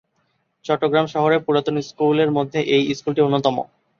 চট্টগ্রাম শহরের পুরাতন স্কুলের মধ্যে এই স্কুলটি অন্যতম।